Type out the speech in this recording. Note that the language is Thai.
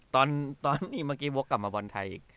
ตอนนี้เมื่อกี้วกกลับมาบอลไทยอีก